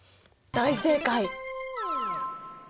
大正解！